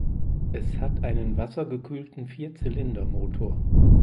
Es hat einen wassergekühlten Vierzylindermotor.